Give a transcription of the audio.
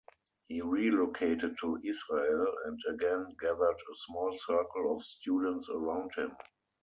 He relocated to Israel, and again gathered a small circle of students around him.